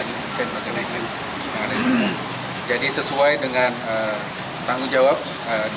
jadi sesuai dengan tanggung jawab dari kementerian luar negeri untuk memberikan pelindungan kepada seluruh keluarga negara indonesia